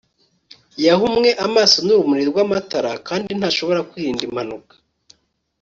yahumwe amaso n'urumuri rwamatara kandi ntashobora kwirinda impanuka